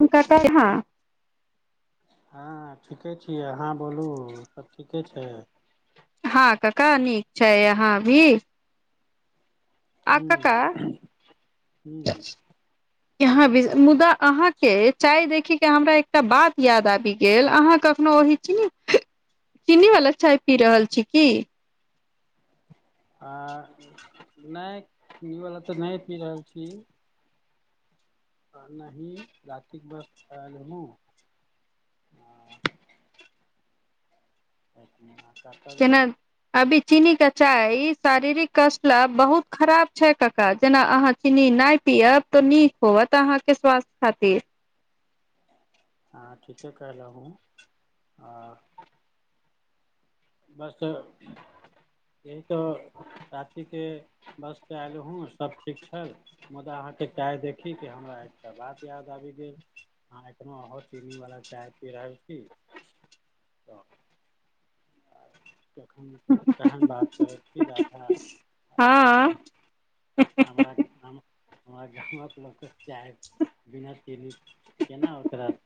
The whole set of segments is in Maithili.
हुंनका कइहँ। हँ ठीके छियै। आहाँ बोलू सब ठीके छैय। हँ कका नीक छै यहाँ अभी। आ कका। हूँ हूँ यहाँ बीज, मुदा अहाँके चाय देखिके हमरा एकटा बात याद आबि गेल अहाँ कखनो ओहि चीनी चीनी बला चाय पी रहल छी की? आ नहि चीनी बला तऽ नहि पी रहल छी। नही रातिक बस आयलहूँ। [unintelligible] केना अभी चीनीके चाय ई शारीरिक कस्ट लऽ बहुत खराब छै कका जेना अहाँ चीनी नहि पियब तऽ नीक होवत अहाँके स्वास्थ खातिर। हँ ठीके कहलहुँ। हँ बस एहि तऽ रातिके बस से आयलहूँ, सब ठीक छल मुदा अहाँके चाय देखी केऽ हमरा एकटा बात याद आबि गेल। अहाँ एखनो ओहो चीनीवला चाय पी रहल छी तऽ। आ कखन केहेन बात करैत छी राधा। हँ हमरा गामक हमर गाॅंमक लोक कऽ चाय बिना चीनी केना उतरत।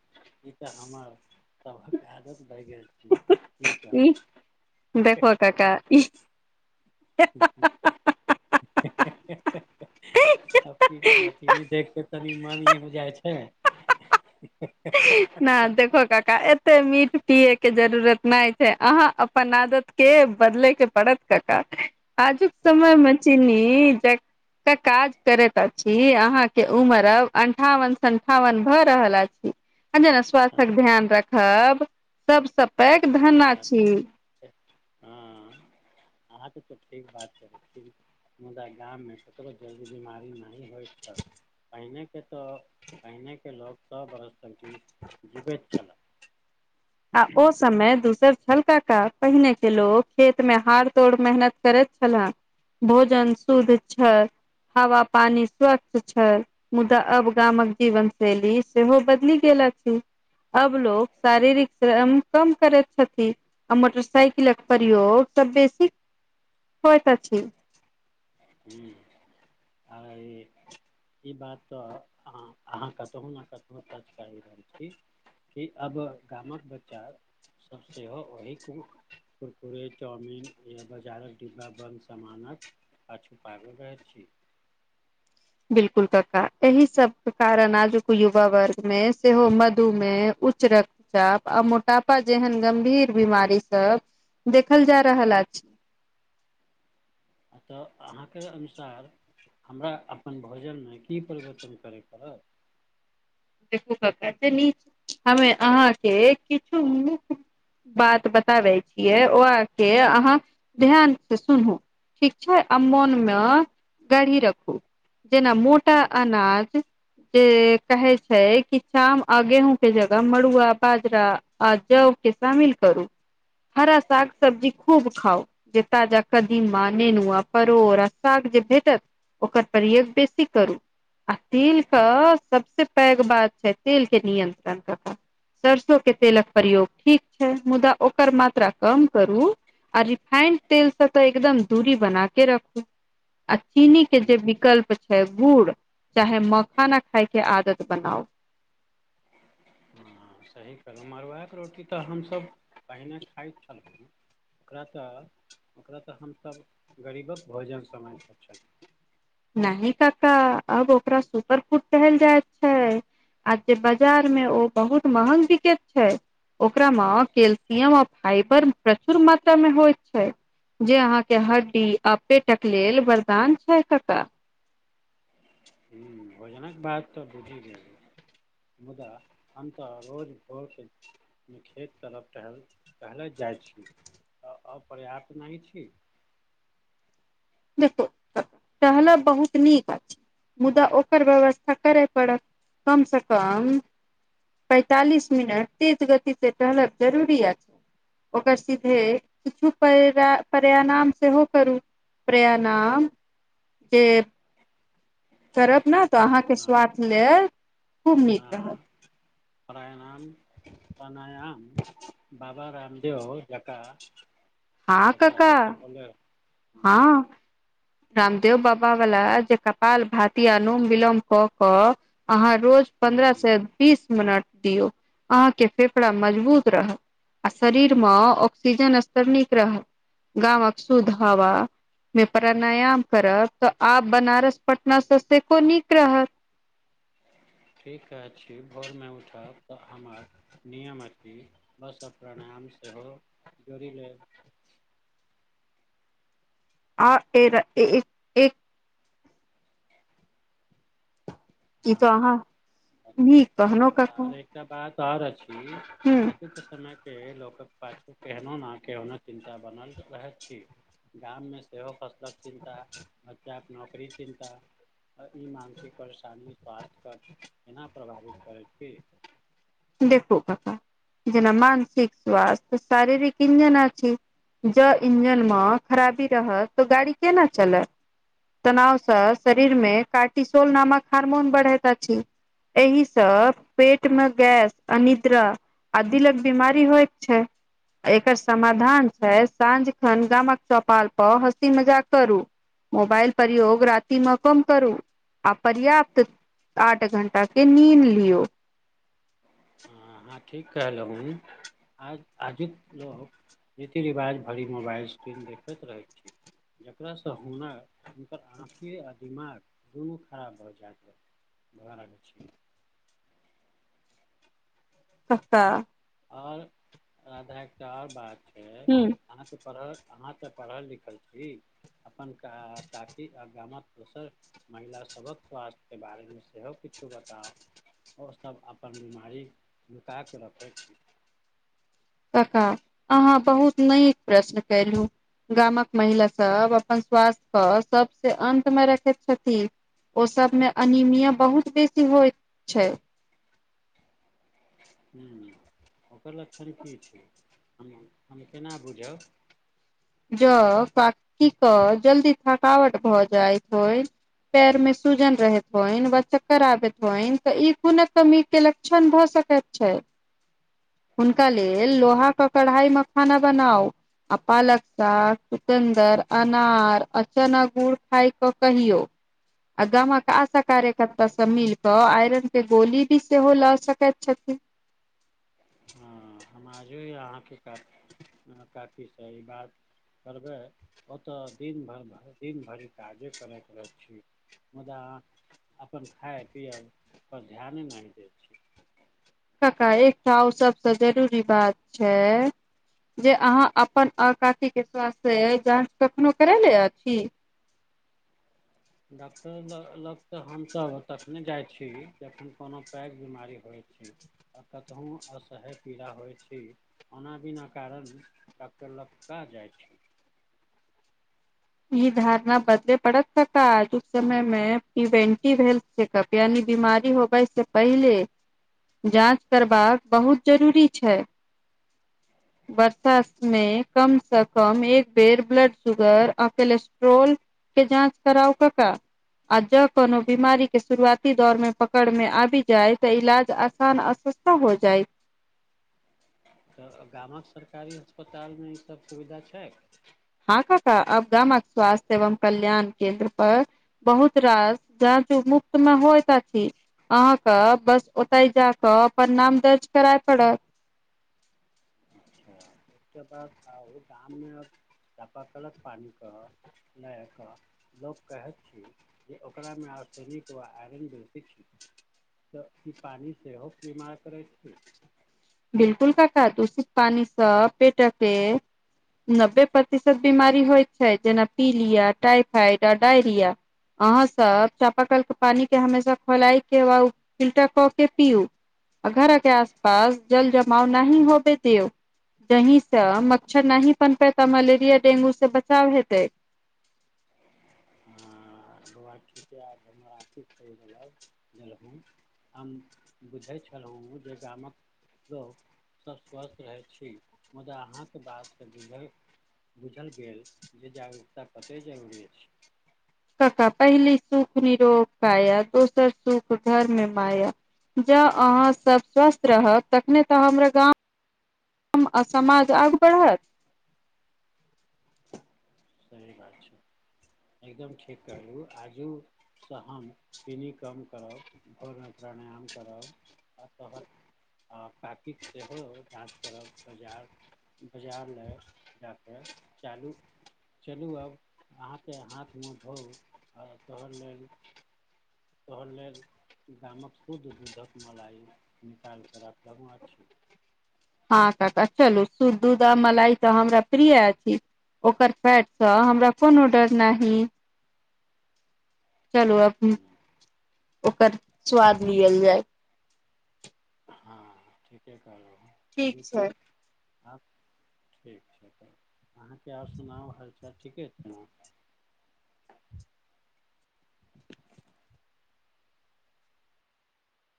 ई तऽ हमर सभक आदत भए गेल। ठीक कहलौ ई हे देखो हे हे कका हे ई हुं हुं हे हे हे हे हेहेहेहे आब की कहबा चीनी देखके तनि मन ई जाए छै [unintelligible] नहि देखहो काका एते मीठ पियए के जरूरत नहि छै अहाँ अपन आदत के बदलै के पड़त कका। आजुक समय हँ में चीनी ज---क काज करैत अछि। ई अहाँ के उमर अब अन्ठावन सन्ठावन भऽ रहल अछि आ जेना स हँ स्वास्थ्यक ध्यान रखब सबसँ पैघ ई धन बात आछि। तऽ हँ अहाँके तऽ ठीक बात कहै छी। मुदा गाम में ककरो जल्दी बीमारी नाहि होइत छल। पाहिनेके तऽ पाहिनेके लोक सौ बरस तक जीब जीबैत छला। आ ओ समय दूसर छलका- पहिनेके लोक खेत में हार तोड़ मेहनत करैत छलाह। भोजन शुद्ध छल हवा पानी स्वच्छ छल। मुदा अब गामक जीवन शैली सेहो बदली गेल अछि। अब लोक शारीरिक श्रम कम करैत छथि आ मोटरसाइकिलक प्रयोग सब बेसी होइत अछि। ह आइ ई बात तऽ अहाँ कतहु न कतहु सच कहि रहल छी। कि अब गामक बच्चा सब सेहो ओहि कु कुरकुरे, चाउमिन या बाजारक डिब्बा बन्द समानक पाछू पागल रहैत छी। बिल्कुल कक्का एहि सब के कारण आजुक युवा वर्ग में सेहो मधुमेह उच्च रक्त चाप आ मोटापा जेहन गंभीर बीमारी सब देखल जा रहल आछि। हँ तऽ अहाँके अनुसार हमरा अपन भोजन में की परिवर्तन करै पड़त। देखू कक्का एत्ते नीक हमें अहाँके किछु नीक बात बताबै छियै ओ अहाँ के अहाँ ध्यान से सुनू। ठीक छै आ मोन में गढ़ी रखू जेना मो टा हुँ, अनाज जे कहै छै छै कि धान आ गेहूँं के जगह मड़ुआ बाजरा आ जौव के शामिल करू। हरा साग सब्जी खूब खाउ जेता ज कदीमा नेनुआ परोरा आ साग जे भेटत ओकर प्रयोग बेसी करू आ तेल तऽ सबसे पैघ बात छै तेल के नियंत्रण करु। सरसो के तेलक प्रयोग ठीक छै मुदा ओकर मात्रा कम करू। आ रिफाइंड तेलसँ तऽ एकदम दूरी बनाके रखू। आ चीनी के जे हुँ, विकल्प छै गुड़ चाहे मखाना खाय के आदत बनाउ। हँ सही कलहुँ मड़ुआके रोटी तऽ हमसभ पहिने खाइत छलहु। ओकरा तऽ ओकरा तऽ हमसब गरीबक भोजन समझईत छलहु। नही कक्का आब ओकरा सुपर फूड कहल जायत छै। आ जे बाजार में ओ बहुत महंग बिकेत छै। ओकरा में कैल्सियम आ फाइबर प्रचुर मात्रा में होइत छै। जे अहाँके हड्डी आ पेटक लेल वरदान छै कक्का। हुं भोजनक बात तऽ बुझि गेलौ मुदा हम तऽ रोज भोरके खेत तरफ टहल टहलै जाइ छी तऽ अपर्याप्त नहि छी। देखू टहलब बहुत नीक आछि मुदा ओकर व्यवस्था करय पड़त कम सऽ कम पैंतालिस मिनट तेज गति से टहलब जरूरी अछि। ओकर सीधे किछु पराय प्रणायाम सेहो करू। प्रयाणाम से करब ने तऽ अहाँके हँ स्वास्थ्य लेल खूब नीक रहत। प्रायाणाम प्रणायाम बा बा रामदेव जकां, हँ जकां काका जैसे बोले ह हँ रामदेव बाबा वला जे कपाल भाति, अनुलोम विलोम क कऽ अहाँ रोज पन्द्रह हूँ से बीस मिनट दियौ, अहाँके फेफड़ा मजबूत रहत। आ शरीर मे ऑक्सीजन स्तर नीक रहत। गाँवक शुद्ध हवा मे प्राणायाम करब तऽ आब बनारस पटना से सेहो नीक रहत। ठीक अछि, भोरमे उठब तऽ हमर नियम अछि बस प्राणायाम सेहो जोड़ि लेब। आ [unintelligible] ई हँ त अहाँ नीक कहनो कका आर एकटा बात आओर अछि, हूँ आजुके समय के लोकक पाछू केहनो ने केहनो चिन्ता बनल रहै अछि। गाम मे सेहो चिन्ता, बच्चा के नौकरी चिन्ता आ ई मानसिक परेशानी स्वास्थ्यके एना प्रभावित करैत छै। देखू कका, जेना मानसिक स्वास्थ्य शारीरिक इंजन अछि। जँ इंजनमे खराबी रहत तऽ गाड़ी केना चलत? तनावसँ शरीर मे कार्टिसोल नामक हार्मोन बढ़ैत अछि। एहि स पेट मे गैस, अनिद्रा आ दिलक बीमारी होइत छै। एकर समाधान छै साँझ खन गामक चौपाल पर हँसी मजाक करू। मोबाइल प्रयोग राति मे कम करू। आ पर्याप्त आठ घण्टा के नींद लियौ। हँ अहां ठीक कहलहुँ। आज आजुक लोक रीति रिवाज भरि मोबाइल स्क्रीन देखैत रहै छी। जकरासँ हुनर हुनकर आँखि आ दिमाग दुनू खराब भऽ जाय भऽ रहल छै। कक्का। और राधा एकटा और बात छै हूँ अहाँके पढ अहाँ तऽ पढ़ल लिखल छी। अपन का बाकी आ गामक दोसर महिला सभक स्वास्थ्यके बारेमे सेहो किछु बताउ। ओ सभ अपन बिमारी नुका कऽ रखै छी। कक्का, अहाँ बहुत नीक प्रश्न केलहुं। गामक महिला सब अपन स्वास्थ्य के सबसँ अन्त मे रखैत छथि। ओ सब में एनीमिया बहुत बेसी होयत छै। हुं ओकर लक्षण की छै, हम हम केना बुझब? ज बाकी क जल्दी थकावट भऽ जाइत होय पैर मे सूजन रहैत होईन वा चक्कर आबैत होइन तऽ ई खुनक कमी के लक्षण क्षण भऽ सकैत छै। हुनका लेल लोहाक के कढ़ाई मे खाना बनाउ आ पालक। साग, चुकन्दर, अनार अ चना गुड़ खायके कहियौ। आ गामक आशा कार्यकर्ता सब मिल कऽ आयरन के गोली भी सेहो लए सकैत छथिन। हँ। हम आजो या आहाँके काफ- काफी सही बात। करबै ओतऽ दिन भऽ भरि दिन भरि काजे करैयत रह छी। मुदा अपन खायब पियब पर ध्याने नहि देत छी। कक्का एकटा आउ सबसे जरूरी बात छै। जे अहाँ अपन आ काकीके स्वास्थ्य जाँच कखनो करै ले अछि। डॉक्टर लग-लग तऽ हम सब तखने जाइत छी जखन कोनो पैघ बीमारी होइत छी। आ कतहुँ असहय पीड़ा होइत छी। ओना बिना कारण डॉक्टर लग का जाइत छै। ई धारणा बदले पड़त कक्का आजुक समय में प्रिवेन्टिव हेलथ चेकप यानि बीमारी होबइ से पहिले जाँच करबाक बहुत जरूरी छै। बर्षा में कम से कम एक बेर ब्लड शुगर आ- कोलेस्ट्रोल के जाँच कराउ कक्का। आ जँ कोनो बीमारी के शुरुआती दौर मे पकड़ मे आबि जायतऽ इलाज आसान असर तऽ हो जाइत। तऽ गामक सरकारी अस्पताल मे ई सब सुविधा छै। हँ कक्का अब गामक स्वास्थ्य एवं कल्याण केन्द्र पर बहुत रास जाच मुफ्त मे होइत अछि। आहाँके बस ओतऽ जा कऽ अपन नाम दर्ज करए पड़त। अच्छा एकटा बात ओर गाम मे चापाकलक पानिक पियै लायक लोक कहैत छी जे ओकरामे ऑसेनिक वा आयरन बेसी छै। तऽ कि पानी सेहो बीमार करै छी? बिल्कुल कक्का दुसित पानी सऽ पेटक के नब्बे प्रतिशत बीमारी होइ छै जेना पीलिया, टाइफाइड आ डायरिया। आहाँ सब चाप कल के पानी के हमेशा खोलाय के व फिल्टर कऽ के पीयु। घर के आस- पास जल जमाव नहि होवे दिओ। जहीं से मच्छर नहि पनपेत मलेरिया डेंगू से बचाव हेतै। आ बौआ ठीके जे हमरा अथि करि देलक गेलहुँ। हम बुझै छेलौ जे गामक लोक सब स्वस्थ रहै छी मुदा अहाँके बातके बुझै बुझल गेल जे जागरूकता कते जरूरी अछि। कक्का पहली सुख निरोग कया दोसर सुख घर मे माया। जँ आहाँ सब स्वस्थ रहब तखने तऽ हमरा गाँव आ समाज आगू बढ़त सही बात छै एकदम ठीक कहलहु आजू स हम चीनी कम करब भोजन प्राणायम करब अतः। आ काकी सेहो जाँच करब बजार। बजार लए जाकऽ चालू चलू आब अहाँके हाथ मुँह धोउ आ तोहन लेल तहन लेल गामक शुद्ध दूधक मलाइ निकालि कऽ राखलहुँ अछि हां कक्का चलू शुद्ध दूध आ मलाई तऽ हमरा प्रिय अछि ओकर फैटसँ हमरा कोनोडर नाहि चलू अब ओकर स्वाद लियल जाय। हँ ठीके कहलहुँ हँ चलू ठीक तब छै आब ठीक छै तऽ अहाँके आर सुनाउ हालचाल ठीके छै ने